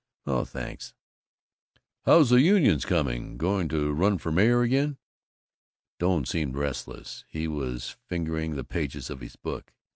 "Oh thanks." "How's the unions coming? Going to run for mayor again?" Doane seemed restless. He was fingering the pages of his book.